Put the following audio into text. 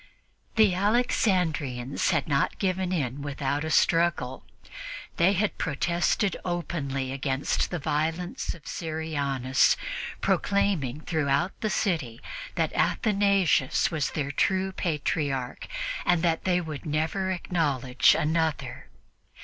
The Alexandrians had not given in without a struggle. They had protested openly against the violence of Syrianus, proclaiming throughout the city that Athanasius was their true Patriarch and that they would never acknowledge another.